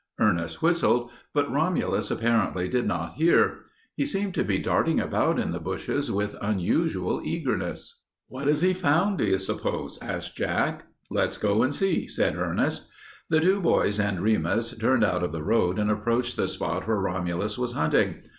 Ernest whistled, but Romulus apparently did not hear. He seemed to be darting about in the bushes with unusual eagerness. "What has he found, do you s'pose?" asked Jack. "Let's go and see," said Ernest. The two boys and Remus turned out of the road and approached the spot where Romulus was hunting.